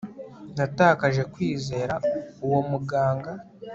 Natakaje kwizera uwo muganga